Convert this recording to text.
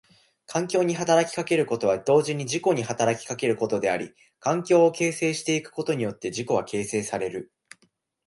環境に働きかけることは同時に自己に働きかけることであり、環境を形成してゆくことによって自己は形成される。